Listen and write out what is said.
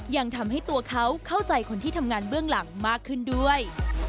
ยังทำให้ตัวเขาเข้าใจคนที่ทำงานเบื้องหลังมากขึ้นด้วย